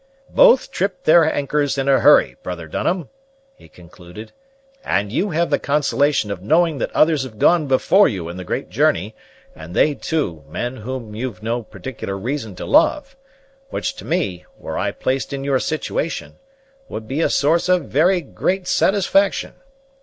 "Both tripped their anchors in a hurry, brother Dunham," he concluded; "and you have the consolation of knowing that others have gone before you in the great journey, and they, too, men whom you've no particular reason to love; which to me, were I placed in your situation, would be a source of very great satisfaction.